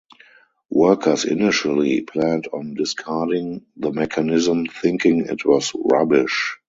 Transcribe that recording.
Workers initially planned on discarding the mechanism thinking it was rubbish.